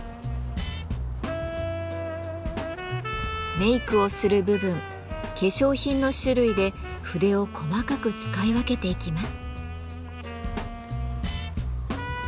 メークをする部分化粧品の種類で筆を細かく使い分けていきます。